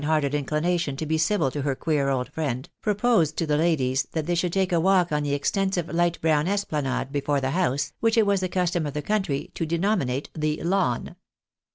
hearted inclination to be civil to her queer old friend, proposed to the ladies that they should take a walk on the extensive light brown esplanade before the hoixse, which it was the custom of the country to denominate the "lawn."